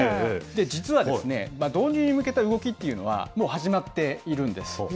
実は導入に向けた動きっていうのは、もう始まっているんです。